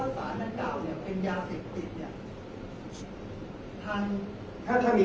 แต่ว่าไม่มีปรากฏว่าถ้าเกิดคนให้ยาที่๓๑